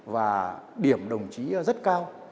và điểm đồng chí rất cao